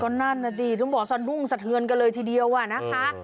นั่นน่ะดิต้องบอกสะดุ้งสะเทือนกันเลยทีเดียวอะนะคะ